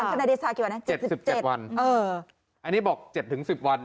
ธนายเดชาเมื่อกี้วันสิบสิบเจ็ดวันอ่ะเอออันนี้บอกเจ็ดถึงสิบวัน